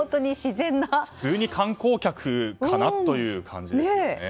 普通に観光客かなという感じです。